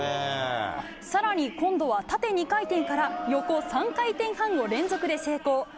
更に今度は縦２回転から横３回転半を連続で成功。